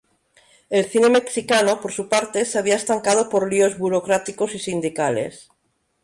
El cine mexicano, por su parte, se había estancado por líos burocráticos y sindicales.